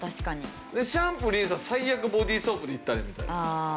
でシャンプー・リンスは最悪ボディーソープでいったれみたいな。